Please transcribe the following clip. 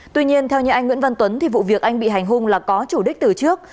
tuy nhiên theo như anh nguyễn văn tuấn thì vụ việc anh bị hành hung là có chủ đích từ trước